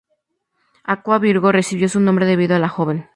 Aqua Virgo recibió su nombre debido a la joven.